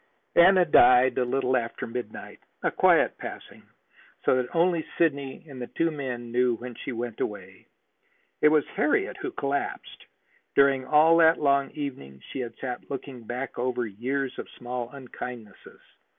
Anna died a little after midnight, a quiet passing, so that only Sidney and the two men knew when she went away. It was Harriet who collapsed. During all that long evening she had sat looking back over years of small unkindnesses.